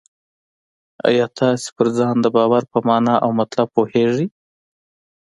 آیا تاسې پر ځان د باور په مانا او مطلب پوهېږئ؟